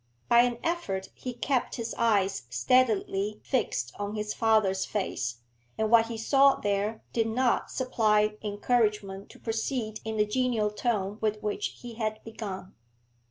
By an effort he kept his eyes steadily fixed on his father's face, and what he saw there did not supply encouragement to proceed in the genial tone with which he had begun.